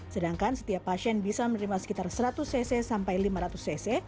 sedangkan setiap pasien bisa menerima sekitar seratus cc sampai lima ratus cc